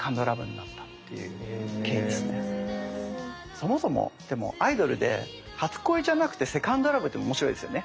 そもそもでもアイドルで初恋じゃなくてセカンド・ラブっていうのが面白いですよね。